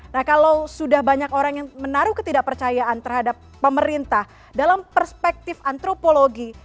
nah kalau sudah banyak orang yang menaruh ketidakpercayaan terhadap pemerintah dalam perspektif antropologi